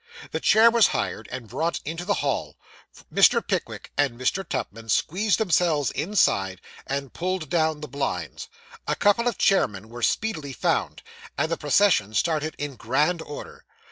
The chair was hired, and brought into the hall; Mr. Pickwick and Mr. Tupman squeezed themselves inside, and pulled down the blinds; a couple of chairmen were speedily found; and the procession started in grand order.